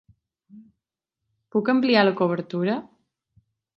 Puc ampliar la cobertura?